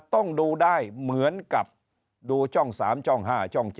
ต้องดูได้เหมือนกับดูช่อง๓ช่อง๕ช่อง๗